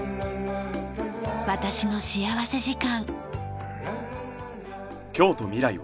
『私の幸福時間』。